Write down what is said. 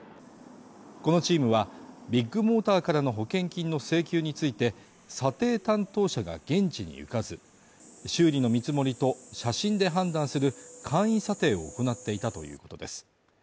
このチームはビッグモーターからの保険金の請求について査定担当者が現地に行かず修理の見積もりと写真で判断する簡易査定を行っていたということです